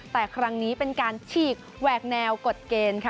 แต่ครั้งนี้เป็นการฉีกแหวกแนวกฎเกณฑ์ค่ะ